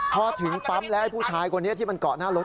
พอถึงปั๊มแล้วไอ้ผู้ชายคนนี้ที่มันเกาะหน้ารถ